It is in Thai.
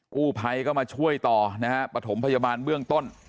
กู้ภัยก็มาช่วยต่อนะฮะประถมพยาบาลเบื้องต้น